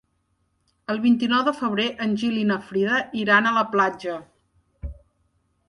El vint-i-nou de febrer en Gil i na Frida iran a la platja.